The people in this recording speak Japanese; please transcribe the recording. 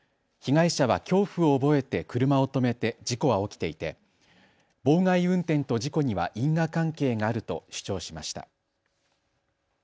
被害者は恐怖を覚えて車を止めて事故は起きていて妨害運転と事故には因果関係があると主張しました。